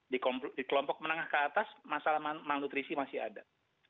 di kelompok menengah ke atas masalah malnutrisi masih ada